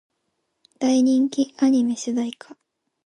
大人気アニメ主題歌